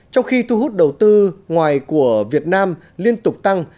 trong khi thu hút đầu tư ngoài của việt nam liên tục tăng